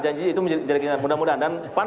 janji itu menjadi kenyataan mudah mudahan